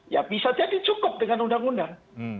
ya bisa jadi cukup dengan undang undang